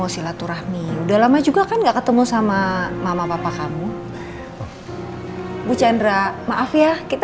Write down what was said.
silaturahmi udah lama juga kan enggak ketemu sama mama papa kamu bu chandra maaf ya kita